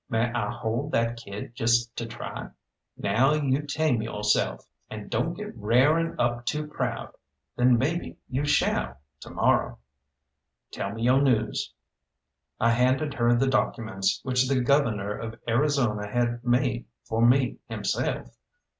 May I hold that kid just to try?" "Now you tame yo'self, and don't get ra'ring up too proud. Then maybe you shall to morrow. Tell me yo' news." I handed her the documents, which the governor of Arizona had made for me himself.